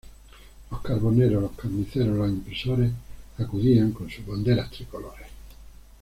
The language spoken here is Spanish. Los carboneros, los carniceros, los impresores, acudían con sus banderas tricolores.